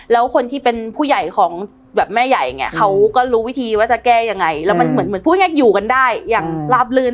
แล้วคนที่เป็นผู้ใหญ่ของแบบแม่ใหญ่เนี่ยเขาก็รู้วิธีว่าจะแก้ยังไงแล้วมันเหมือนพูดง่ายอยู่กันได้อย่างลาบลื่น